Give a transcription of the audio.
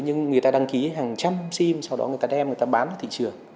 nhưng người ta đăng ký hàng trăm sim sau đó người ta đem người ta bán ra thị trường